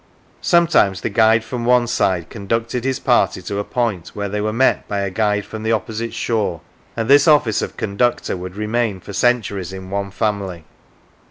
Sometimes the guide from one side conducted his party to a point where they were met by a guide from the opposite shore, and this office of conductor would remain for centuries in one family.